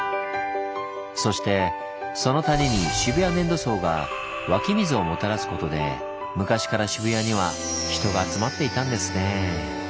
そしてその谷に渋谷粘土層が湧き水をもたらすことで昔から渋谷には人が集まっていたんですねぇ。